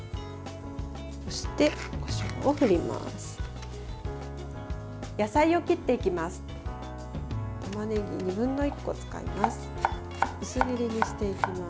そして、こしょうを振ります。